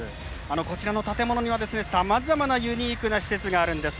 こちらの建物にはさまざまなユニークな施設があるんです。